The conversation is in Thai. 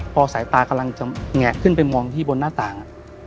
พอสายตากำลังจะแงะขึ้นไปมองที่บนหน้าต่าง